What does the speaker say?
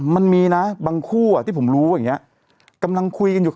มันมีนะบางคู่อ่ะที่ผมรู้อย่างเงี้ยกำลังคุยกันอยู่